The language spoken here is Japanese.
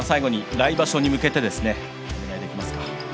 来場所に向けてお願いできますか。